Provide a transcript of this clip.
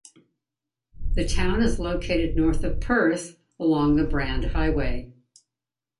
The town is located north of Perth along the Brand Highway.